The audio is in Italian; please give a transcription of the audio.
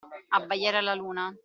Abbaiare alla luna.